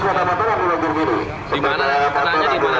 seberapa sekitar apa tol yang berlagu gini